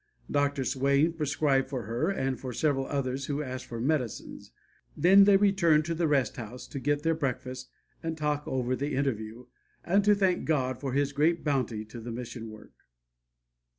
Dr. Swain prescribed for her and for several others who asked for medicines; then they returned to the Rest House to get their breakfast and talk over the interview, and to thank God for his great bounty to the mission work.